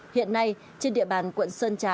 hiện nay trên địa bàn quận sơn trà